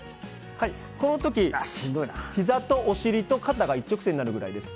この時、ひざとお尻と肩が一直線になるぐらいです。